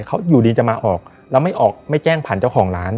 เขาอยู่ดีจะมาออกแล้วไม่ออกไม่แจ้งผ่านเจ้าของร้าน